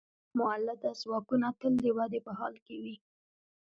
مؤلده ځواکونه تل د ودې په حال کې وي.